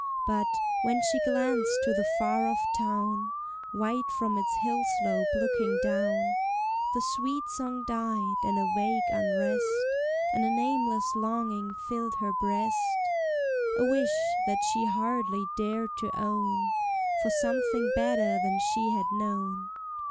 But, when she glanced to the far off town, White from its hill slope looking down, The sweet song died, and a vague unrest And a nameless longing filled her breast, A wish, that she hardly dared to own, For something better than she had known.